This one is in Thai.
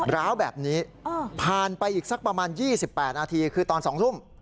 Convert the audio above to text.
ร้าวแบบนี้ผ่านไปอีกสักประมาณ๒๘นาทีคือตอน๒ทุ่ม